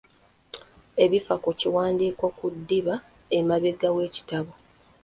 Ebifa ku kiwandiiko ku ddiba emabega w’ekitabo.